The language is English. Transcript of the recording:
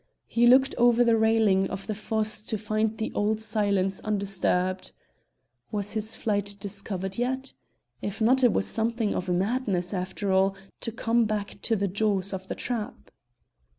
He looked over the railing of the fosse to find the old silence undisturbed. Was his flight discovered yet? If not it was something of a madness, after all, to come back to the jaws of the trap.